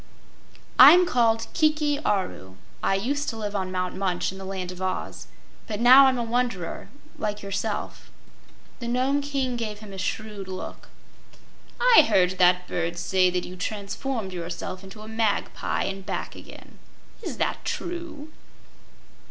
"I'm called Kiki Aru. I used to live on Mount Munch in the Land of Oz, but now I'm a wanderer like yourself." The Nome King gave him a shrewd look. "I heard that bird say that you transformed yourself into a magpie and back again. Is that true?"